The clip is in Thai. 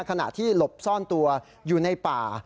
ขณะที่หลบซ่อนตัวอยู่ในป่า